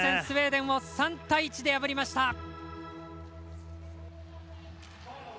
スウェーデンを３対１で破りました。